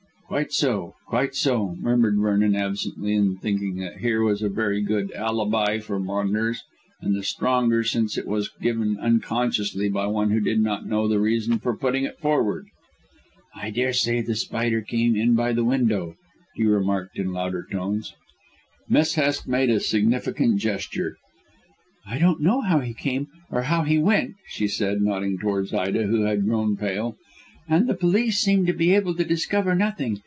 "Quite so, quite so," murmured Vernon absently and thinking that here was a very good alibi for Maunders, and the stronger since it was given unconsciously by one who did not know the reason for putting it forward. "I daresay The Spider came in by the window," he remarked in louder tones. Miss Hest made a significant gesture. "I don't know how he came or how he went," she said, nodding towards Ida, who had grown pale, "and the police seem to be able to discover nothing.